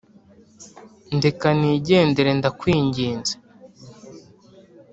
ndeka nigendere ndakwinginze .